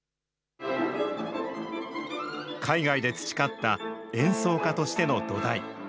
海外で培った演奏家としての土台。